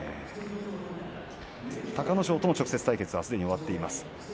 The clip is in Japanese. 隆の勝との直接対決は終わっています。